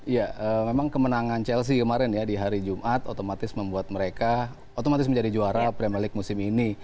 ya memang kemenangan chelsea kemarin ya di hari jumat otomatis membuat mereka otomatis menjadi juara premier league musim ini